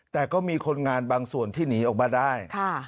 แต่ก็มีคนงานบางส่วนที่หนีออกมาได้